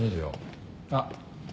あっ。